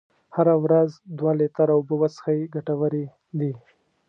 هره ورځ دوه لیتره اوبه وڅښئ ګټورې دي.